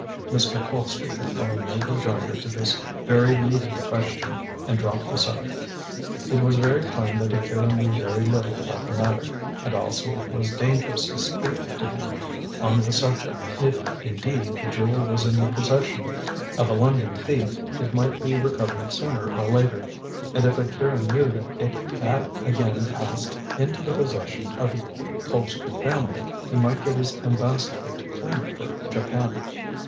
Mr. Colpster could find no rejoinder to this very leading question, and dropped the subject. It was very plain that Akira knew very little about the matter, and also it was dangerous to speak to him on the subject. If, indeed, the jewel was in the possession of a London thief, it might be recovered sooner or later. And if Akira knew that it had again passed into the possession of the Colpster family, he might get his ambassador to claim it for Japan.